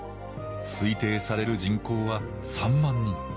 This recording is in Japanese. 推定される人口は３万人。